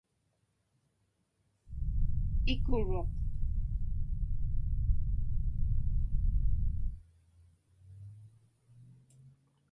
Ikuruq.